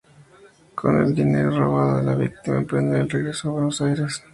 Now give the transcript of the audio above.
Con el dinero robado a la víctima emprenden el regreso a Buenos Aires.